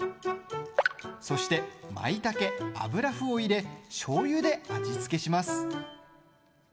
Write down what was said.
そして、まいたけ、油ふを入れしょうゆで味付けします。